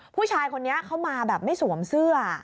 ผู้ชายคนนี้เขามาแบบไม่สวมเสื้อ